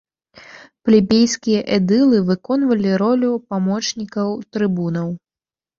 Плебейскія эдылы выконвалі ролю памочнікаў трыбунаў.